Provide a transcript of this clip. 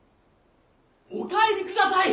・お帰りください！